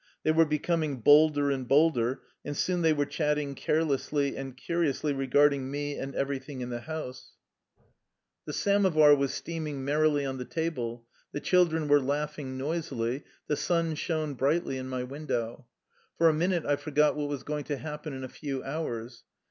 They were becoming bolder and bolder, and soon they were chatting carelessly and curiously regarding me and every thing in the house. 141 THE LIFE STOEY OF A RUSSIAN EXILE The samovar was steaming merrily on the table, the children were laughing noisily, the sun shone brightly in my window. For a min ute I forgot what was going to happen in a few hours.